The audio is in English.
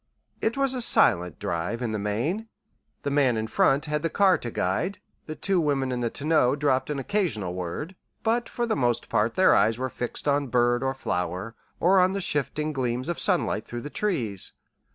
It was a silent drive, in the main. The man in front had the car to guide. The two women in the tonneau dropped an occasional word, but for the most part their eyes were fixed on bird or flower, or on the shifting gleams of sunlight through the trees.